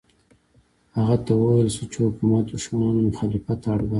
هغه ته وویل شول چې حکومت دښمنان له مخالفته اړ باسي.